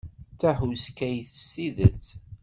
D tahuskayt s tidet.